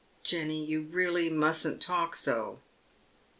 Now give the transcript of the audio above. " Jenny, you really mustn't talk so."